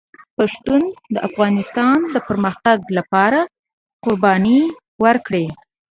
پښتنو د افغانستان د پرمختګ لپاره قربانۍ ورکړي.